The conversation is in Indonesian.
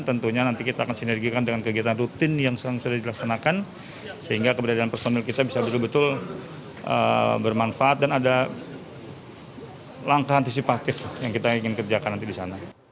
tentunya nanti kita akan sinergikan dengan kegiatan rutin yang sudah dilaksanakan sehingga keberadaan personil kita bisa betul betul bermanfaat dan ada langkah antisipatif yang kita ingin kerjakan nanti di sana